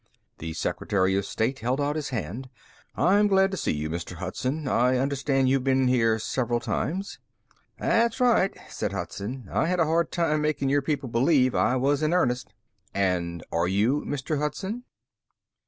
The secretary of state held out his hand. "I'm glad to see you, Mr. Hudson. I understand you've been here several times." "That's right," said Hudson. "I had a hard time making your people believe I was in earnest." "And are you, Mr. Hudson?"